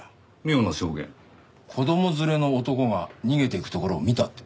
子供連れの男が逃げていくところを見たって。